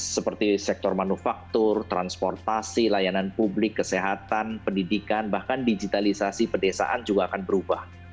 seperti sektor manufaktur transportasi layanan publik kesehatan pendidikan bahkan digitalisasi pedesaan juga akan berubah